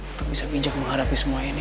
untuk bisa bijak menghadapi semua ini